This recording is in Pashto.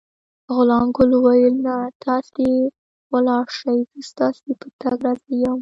غلام ګل وویل: نه، تاسې ولاړ شئ، زه ستاسي په تګ راضي یم.